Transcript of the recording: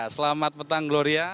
selamat petang gloria